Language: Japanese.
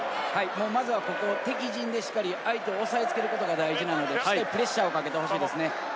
まずはここ、敵陣でしっかり相手をおさえつけることが大事なので、しっかりプレッシャーをかけてほしいですね。